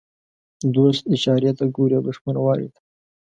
دوست اشارې ته ګوري او دښمن وارې ته.